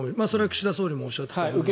それは岸田総理もおっしゃっていて。